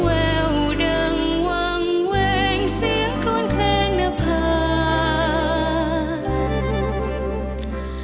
แววดังวังเว่งเสียงคล้นเครงหน้าพา